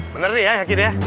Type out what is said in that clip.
bener nih ya akhirnya